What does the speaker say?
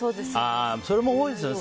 それも多いですよね、